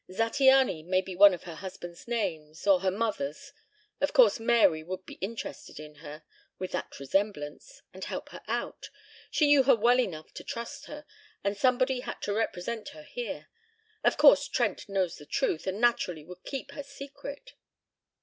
Zattiany may be one of her husband's names or her mother's. Of course Mary would be interested in her with that resemblance and help her out. She knew her well enough to trust her, and somebody had to represent her here. Of course Trent knows the truth and naturally would keep her secret."